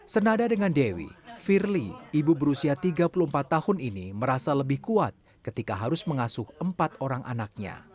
senada dengan dewi firly ibu berusia tiga puluh empat tahun ini merasa lebih kuat ketika harus mengasuh empat orang anaknya